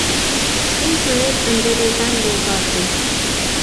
Шӱм-чонет ынде резан волгалте».